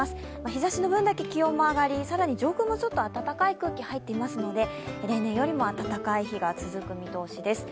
日ざしの分だけ気温も上がり、更に上空も暖かい空気が入ってますので例年よりも暖かい日が続く見通しです。